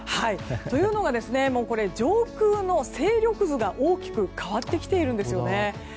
というのが、上空の勢力図が大きく変わってきているんです。